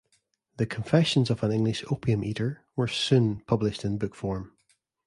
The "Confessions of an English Opium-Eater" were soon published in book form.